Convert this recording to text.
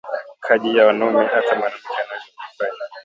Kaji ya wanaume ata mwanamuke anaweza ku ifanya